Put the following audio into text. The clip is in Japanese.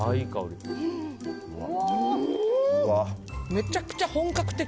めちゃくちゃ本格的！